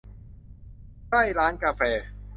ใกล้ร้านกาแฟ